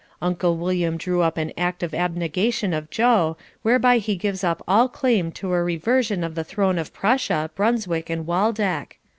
Uncle William drew up an act of abnegation of Joe, whereby he gives up all claim to a reversion of the throne of Prussia, Brunswick and Waldeck.